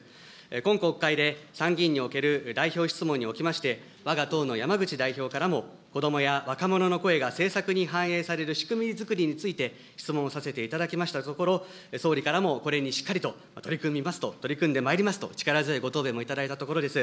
今国会で参議院における代表質問におきまして、わが党の山口代表からも、子どもや若者の声が政策に反映される仕組みづくりについて質問をさせていただきましたところ、総理からもこれにしっかりと取り組みますと、取り組んでまいりますと、力強いご答弁をいただいたところです。